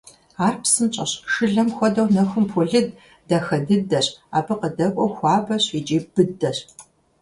Ар псынщӀэщ, шылэм хуэдэу нэхум полыд, дахэ дыдэщ, абы къыдэкӀуэу хуабэщ икӀи быдэщ.